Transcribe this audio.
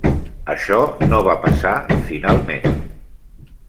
Això no va passar, finalment.